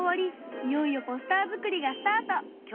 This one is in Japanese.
いよいよポスター作りがスタート。